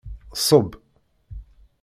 Ṣṣeb!